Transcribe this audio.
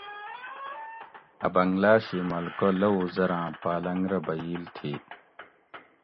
اٞ بنگلا شی ملکہ لٞوو زراں پالنگ رہ بییل تھی